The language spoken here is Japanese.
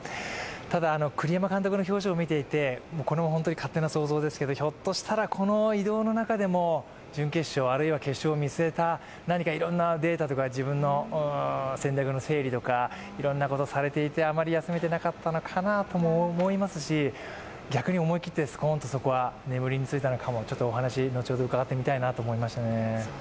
ただ栗山監督の表情を見ていて、これも勝手な想像ですけどひょっとしたらこの移動の中でも準決勝、あるいは決勝を見据えた何かいろんなデータとか自分の戦略の整理とかいろんなことされていて、あまり休めてなかったのかなとも思いますし、逆に思い切ってスコーンとそこは眠りについたのかも、そこは後ほどお話を伺ってみたいなと思いましたね。